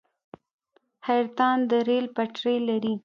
حیرتان د ریل پټلۍ لري